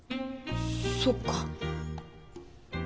そっか。